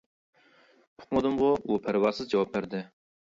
-ئۇقمىدىمغۇ - ئۇ پەرۋاسىز جاۋاب بەردى.